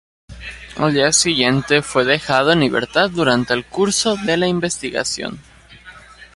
Al día siguiente fue dejado en libertad durante el curso de la investigación.